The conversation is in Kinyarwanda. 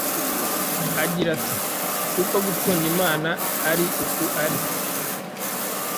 aragira ati, “Kuko gukunda Imana ari uku ari